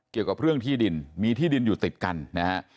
เกี่ยวกับเรื่องที่ดินมีที่ดินอยู่ติดกันนะฮะ